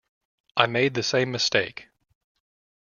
I made the same mistake.